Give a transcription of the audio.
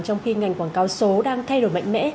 trong khi ngành quảng cáo số đang thay đổi mạnh mẽ